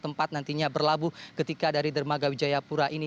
tempat nantinya berlabuh ketika dari dermagawi jayapura ini